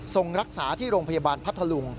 ส่งรักษาที่โรงพยาบาลพัทธลุง